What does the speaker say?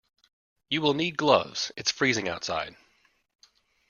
You will need gloves; it's freezing outside.